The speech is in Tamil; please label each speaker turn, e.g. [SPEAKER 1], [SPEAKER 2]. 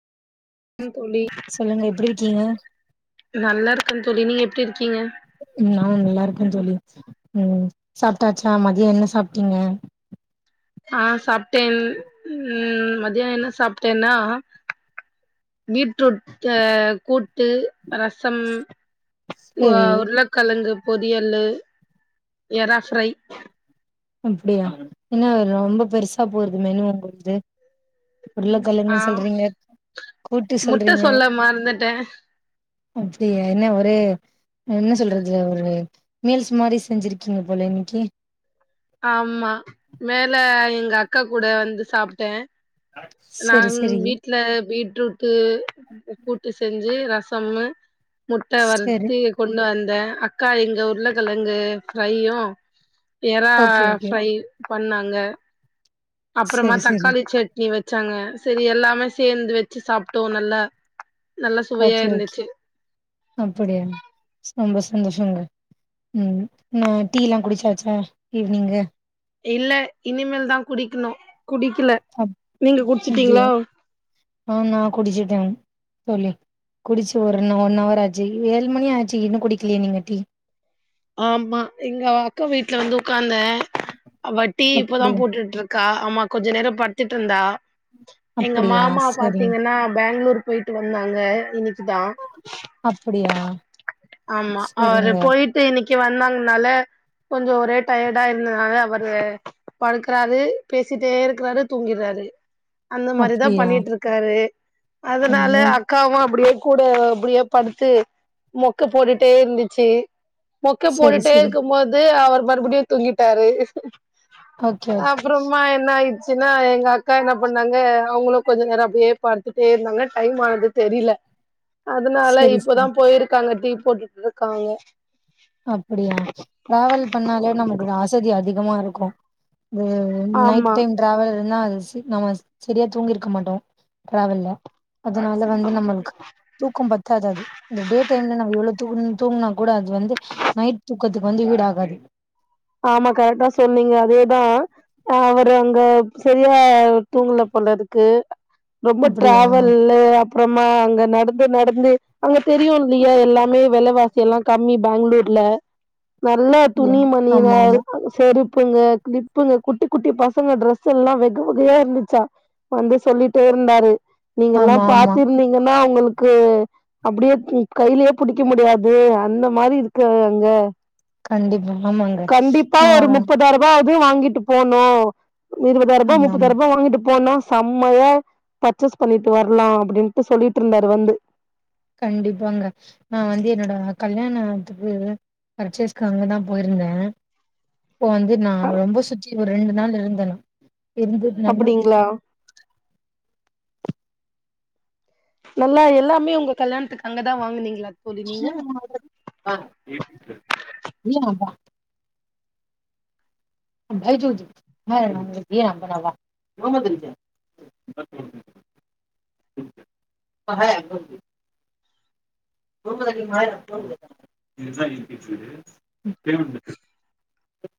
[SPEAKER 1] ஆ தோழி
[SPEAKER 2] சொல்லுங்க எப்டி இருக்கீங்க
[SPEAKER 1] நல்லாருக்கே தோழி நீங்க எப்டி இருக்கீங்க
[SPEAKER 2] ம் நா நல்லாருக்கே தோழி ம் சாப்ட்டாச்சா மதியோ என்ன சாப்ட்டீங்க
[SPEAKER 1] ஆ சாப்ட்டேன் ம் மதியோ என்ன சாப்ட்டேன்னா பீட்ரூட் க கூட்டு ரசம் வ
[SPEAKER 2] சேரி
[SPEAKER 1] உர்ள கழங்கு பொரியலு எறா ஃப்ரை
[SPEAKER 2] அப்டியா என்ன ரொம்ப பெருசா போறது மெனு ஒங்கள்து உர்ளக்கெழங்கு
[SPEAKER 1] ஆ
[SPEAKER 2] சொல்றீங்க கூட்டு
[SPEAKER 1] முட்ட
[SPEAKER 2] சொல்றீங்க
[SPEAKER 1] சொல்ல மறந்துட்டே
[SPEAKER 2] அப்டியா என்ன ஒரே என்ன சொல்றது ஒரு மீல்ஸ் மாரி செஞ்சிருக்கீங்க போல இன்னக்கி
[SPEAKER 1] ஆமா மேல எங்கக்கா கூட வந்து சாப்ட்டே
[SPEAKER 2] செரி
[SPEAKER 1] நான்
[SPEAKER 2] செரி
[SPEAKER 1] வீ ட்ல பீட்ரூட்டு கூட்டு செஞ்சு ரசம்மு முட்ட
[SPEAKER 2] செரி
[SPEAKER 1] வறுத்தி கொண்டு வந்தே அக்கா இங்க உர்ளக்கெழங்கு ஃப்ரையு றா
[SPEAKER 2] ஓகே ஓகே
[SPEAKER 1] ஃப்ரையு பண்ணாங்க அப்றமா
[SPEAKER 2] செரி செரி
[SPEAKER 1] தக்காளி சட் னி வச்சாங்க செரி எல்லாமே சேந்து வச்சு சாப்ட்டோ நல்லா நல்லா சுவையா
[SPEAKER 2] ஓகே ஓகே
[SPEAKER 1] இருந்துச்சு
[SPEAKER 2] அப்டியா சந்தோ சந்தோஷங்க ம் ன்னா டீ லா குடிச்சாச்சா ஈவ்னிங்கு
[SPEAKER 1] இல்ல இனிமேல் தா குடிக்ணு
[SPEAKER 2] அப் அப்டியா ஆ நா குடிச்சுட்டே தோழி குடிச்சு ஒர்னு ஒன் அவர் ஆச்சு ஏழு மணி ஆச்சு இன்னு குடிக்கலயா நீங்க டீ
[SPEAKER 1] ஆமா எங்க அக்கா வீட்ல வந்து ஒக்காந்தே அவ டீ இப்பதா
[SPEAKER 2] அப்டியா
[SPEAKER 1] போட்டுட்ருக் க்கா ஆமா கொஞ்சோ நேரோ பட்த்துட்டிருந்தா எங்க
[SPEAKER 2] அப்டியா
[SPEAKER 1] மாமாவ
[SPEAKER 2] சரிங்க
[SPEAKER 1] பாத்தீங்கன்னா பேங்ளூர் போய்ட்டு வந்தாங்க இன்னக்கிதா
[SPEAKER 2] அப்படியா
[SPEAKER 1] ஆமா அவரு போய்ட்டு இன்னக்கி வந்தாங்னால கொஞ்சோ ஒரே டயர்டா இருந்தனால அவரு படுக்குறாரு பேசிட்டேருக்கறாரு தூங்கிறாரு அந்த மாரி தா
[SPEAKER 2] அப்டியா
[SPEAKER 1] பண்ணிட்ருக்காரு அதனால
[SPEAKER 2] ம்
[SPEAKER 1] அக் காவு அப்டியே கூட அப்டியே படுத்து மொக்க போட்டுட்டே இருந்துச்சு மொக்க
[SPEAKER 2] சரி
[SPEAKER 1] போட்டுட்டே
[SPEAKER 2] சரி
[SPEAKER 1] இருக்கம்போ து அவர் மறுபடியு தூங்கிட்டாரு
[SPEAKER 2] ஓகே ஓகே
[SPEAKER 1] அப்பறமா என்னாயிருச்சுன்னா எங்க அக்கா என்ன பண்ணாங்க அவுங்களு கொஞ்ச நேரோ அப்டியே படுத்து ட்டேருந்தாங்க டைம் ஆனது தெரில அதனால
[SPEAKER 2] சரி
[SPEAKER 1] இப்பதா
[SPEAKER 2] சரி
[SPEAKER 1] போய்ருக்காங்க டீ போட்டுட்ருக்காங்க
[SPEAKER 2] அப்டியா டிராவல் பண்ணாலே நமக்கு இந்த அசதி அதிகமாருக்கு ஆ அது ஒன் நைட்
[SPEAKER 1] ஆமா
[SPEAKER 2] டைம் டிரவல்னா அது சி நம்ம செரியா தூங்கிருக்க மாட்டோ டிரவல்ல அதனால வந்து நம்மளுக்கு தூக்கம் பத்தாது அது இந்த டே டைம்ல நம்ம எவ்ளோ தூங் தூங்குனா கூட அது வந்து நைட் தூக்கத்துக்கு வந்து ஈடாகாது
[SPEAKER 1] ஆமா கரெக்டா சொன்னீங்க அதேதா அவரு அங்க செரியா தூங்கல போல இருக்கு ரொம்ப
[SPEAKER 2] அப்டியா
[SPEAKER 1] டிராவல்ல அப்பறமா அங்க நடந்து நடந்து அங்க தெரியு இல்லையா எல்லாமே வெலவாசில்லா கம்மி பெங்களூர்ல நல்லா துணி
[SPEAKER 2] ம்.
[SPEAKER 1] மணி
[SPEAKER 2] ஆமா
[SPEAKER 1] வேரு
[SPEAKER 2] ஆமா
[SPEAKER 1] செருப்புங்க கிளிப்புங்க குட்டி குட்டி பசங்க டிரெஸ் எல்லா வெகு வகையா இருந்துச்சா வந்து சொல்லிட்டே இருந்தாரு நீங்கல்லா
[SPEAKER 2] ஆமா ஆமா
[SPEAKER 1] பாத்திருந்தீங்கன்னா உங்களுக்கு அப்டியே கையிலையே புடிக்க முடியாது அந்த மாரி இருக்கு அங்க
[SPEAKER 2] கண்டிப்பா ஆமாங்க
[SPEAKER 1] கண்டிப்பா
[SPEAKER 2] நா
[SPEAKER 1] ஒரு முப்பதாரம் ரூபாது வாங்கிட்டு போனு இருவதாயிரூபா
[SPEAKER 2] ஆமா ஆமா
[SPEAKER 1] முப்பதாயி ரூபா வாங்கிட்டு போனோ செம்மையா பர்ச்சேஸ் பண்ணிட்டு வர்லா அப்டின்டு சொல்லிட்டு இருந்தாரு வந்து
[SPEAKER 2] கண்டிப்பாங்க நா வந்து என்னோட கல்யாணத்துக்கு பர்ச்சேஸ்க்கு அங்க தா போயிருந்தே அப்போ வந்து நா
[SPEAKER 1] அ
[SPEAKER 2] ரொம்ப சுறத்தி ஒரு ரெண்டு நாள் இருந்தே நா இருந்ததுனால
[SPEAKER 1] அப்டிங்ளா நல்லா எல்லாமே உங்க கல்யாணத்துக்கு அங்கதா வாங்குனீங்ளா
[SPEAKER 2] இல்ல அதா போ பவ ான் பேெண்ட